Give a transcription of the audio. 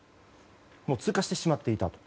もう通過してしまっていたと。